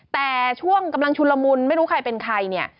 แต่ช่วงกำลังชุนละมุนไม่รู้ใครเป็นใครเนี่ย